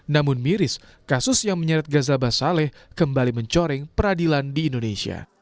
namun miris kasus yang menyeret gazabah saleh kembali mencoreng peradilan di indonesia